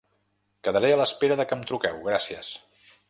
Quedaré a l'espera de que em truqueu gràcies!